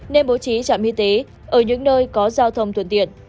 nên bố trí trạm y tế ở những nơi có giao thông thuận tiện